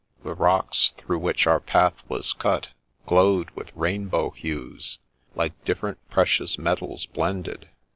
The rocks through which our path was cut, glowed with rainbow hues, like different precious metals blended.